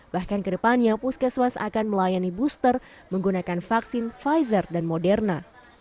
bahkan kedepannya puskesmas akan melayani booster menggunakan vaksin pfizer dan moderna